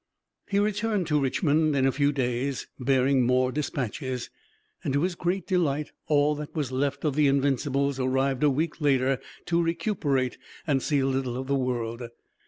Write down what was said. He returned to Richmond in a few days, bearing more dispatches, and to his great delight all that was left of the Invincibles arrived a week later to recuperate and see a little of the world.